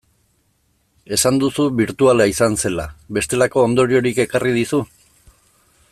Esan duzu birtuala izan zela, bestelako ondoriorik ekarri dizu?